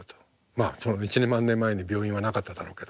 まあ１万年前に病院はなかっただろうけど。